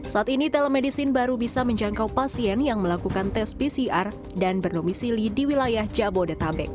saat ini telemedicine baru bisa menjangkau pasien yang melakukan tes pcr dan bernomisili di wilayah jabodetabek